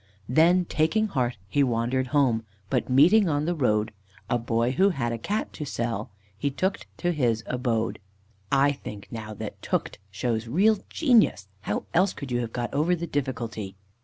"Then taking heart, he wandered home, But meeting on the road A boy, who had a Cat to sell, He took't to his abode." (I think, now, that "took't" shows real genius! How else could you have got over the difficulty?)